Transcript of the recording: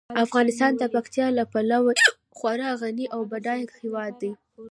افغانستان د پکتیکا له پلوه یو خورا غني او بډایه هیواد دی.